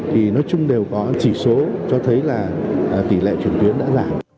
thì nói chung đều có chỉ số cho thấy là tỷ lệ chuyển tuyến đã giảm